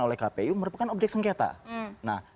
oleh kpu merupakan objek sengketa nah